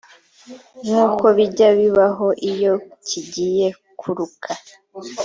nkuko bijya bibaho iyo kigiye kuruka